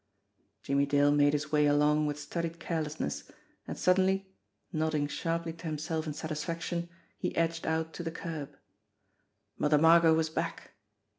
Jimmie Dale made his way along with studied carelessness, and suddenly, nodding sharply to himself in satisfaction, he edged out to the curb. Mother Margot was back